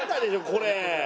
これ。